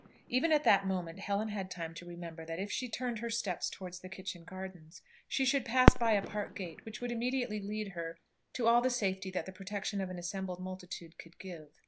Even at that moment Helen had time to remember that if she turned her steps towards the kitchen gardens, she should pass by a park gate which would immediately lead her to all the safety that the protection of an assembled multitude could give.